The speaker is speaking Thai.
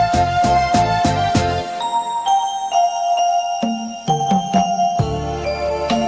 สวัสดีครับ